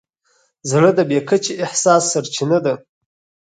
زړه د بې کچې احساس سرچینه ده.